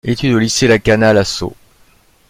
Études au Lycée Lakanal à Sceaux.